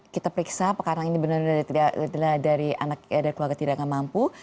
kita periksa apakah anak ini benar benar dari keluarga tidak mampu